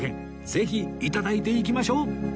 ぜひ頂いていきましょう